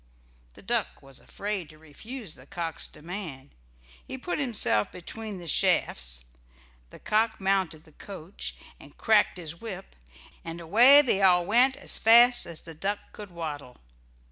The duck was afraid to refuse the cock's demand. He put himself between the shafts, the cock mounted the coach and cracked his whip, and away they all went as fast as the duck could waddle.